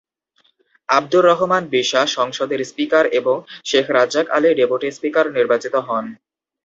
আবদুর রহমান বিশ্বাস সংসদের স্পিকার এবং Sheikh Razzak Ali deputy speaker নির্বাচিত হন।